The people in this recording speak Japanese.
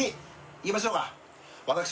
行きましょうか？